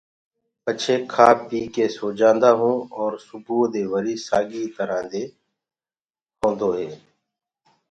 پڇي کآ پيٚڪي سو جآنٚدآ هونٚ اور سُبوئو دي وري سآڳي ترآ دي هوندو هي۔